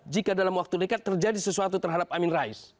jika dalam waktu dekat terjadi sesuatu terhadap amin rais